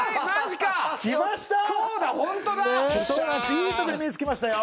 いいところに目をつけましたよ。